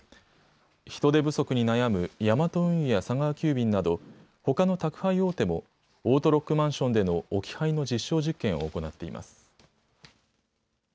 人手不足に悩むヤマト運輸や佐川急便などほかの宅配大手もオートロックマンションでの置き配の実証実験を行っています。